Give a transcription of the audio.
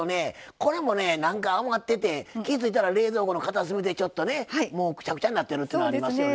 これもね何か余ってて気ぃ付いたら冷蔵庫の片隅でちょっとねくちゃくちゃになってるっていうのありますよね。